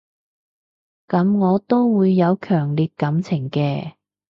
噉我都會有強烈感情嘅